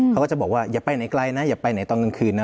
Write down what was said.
เขาก็จะบอกว่าอย่าไปไหนไกลนะอย่าไปไหนตอนกลางคืนนะ